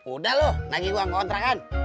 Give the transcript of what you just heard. udah lho lagi uang kontra kan